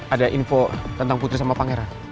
ada info tentang putri sama pangeran